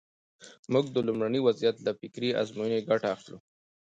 موږ د لومړني وضعیت له فکري ازموینې ګټه اخلو.